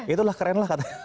itulah keren lah katanya